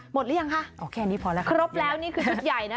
หรือยังคะอ๋อแค่นี้พอแล้วครบแล้วนี่คือชุดใหญ่นะ